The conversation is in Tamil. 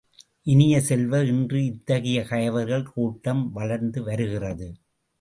இனிய செல்வ, இன்று இத்தகைய கயவர்கள் கூட்டம் வளர்ந்து வருகிறது.